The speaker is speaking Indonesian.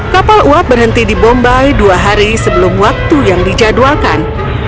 kapal uap berhenti di bombay dua hari sebelum waktu yang dijadwalkan